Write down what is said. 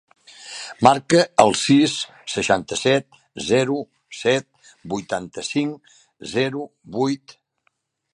Marca el sis, seixanta-set, zero, set, vuitanta-cinc, zero, vuit.